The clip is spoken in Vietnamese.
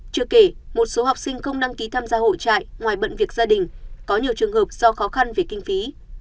chưa kể một số học sinh không đăng ký tham gia hội trại ngoài bận việc gia đình có nhiều trường hợp do khó khăn về kinh phí